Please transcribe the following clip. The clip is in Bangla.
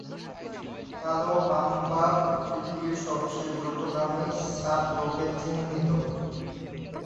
কালো মাম্বা পৃথিবীর সবচেয়ে দ্রুতগামী সাপ রূপে চিহ্নিত।